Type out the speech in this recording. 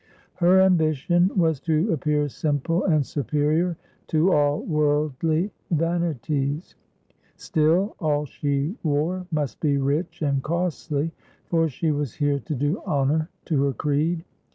Her ambition was to appear simple and superior to all worldly vanities; still, all she wore must be rich and costly, for she was here to do honor to her creed.